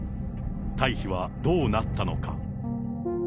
退避はどうなったのか。